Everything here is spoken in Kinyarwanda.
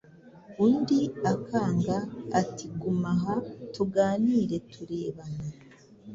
undi akanga; ati «Guma aha tuganire turebana,